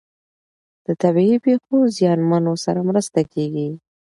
د طبیعي پیښو زیانمنو سره مرسته کیږي.